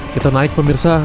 kita naik pemirsa